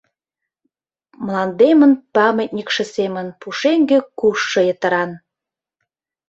Мландемын памятникше семын Пушеҥге кушшо йытыран!